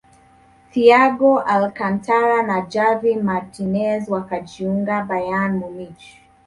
thiago alcantara na javi martinez wakajiunga bayern munich